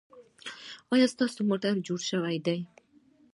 ایا ستاسو موټر جوړ دی؟